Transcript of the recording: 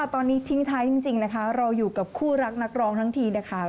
ตอนนี้ทิ้งท้ายจริงนะคะเราอยู่กับคู่รักนักร้องทั้งทีนะคะ